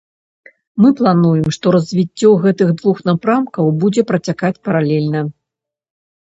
Мы плануем, што развіццё гэтых двух напрамкаў будзе працякаць паралельна.